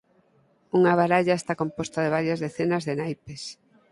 Unha baralla está composta de varias decenas de naipes.